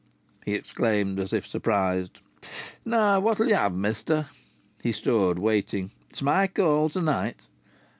he exclaimed, as if surprised. "Now what'll ye have, mester?" He stood waiting. "It's my call to night."